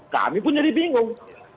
kami pun jadi bingung